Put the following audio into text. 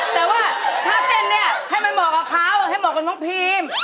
แต่ว่าถ้าเต้นเนี่ยให้มันเหมาะกับเขาให้เหมาะกับน้องพีม